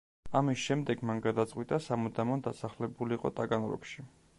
ამის შემდეგ მან გადაწყვიტა სამუდამოდ დასახლებულიყო ტაგანროგში.